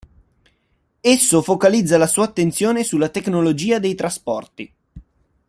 Esso focalizza la sua attenzione sulla tecnologia dei trasporti.